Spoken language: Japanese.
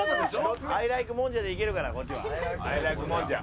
「アイライクもんじゃ」でいけるからこっちは。